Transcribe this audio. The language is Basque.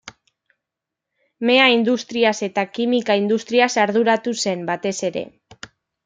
Mea-industriaz eta kimika-industriaz arduratu zen, batez ere.